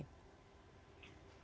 kalau itu yang baru pernah saya dengar